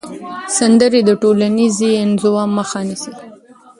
سندرې د ټولنیزې انزوا مخه نیسي.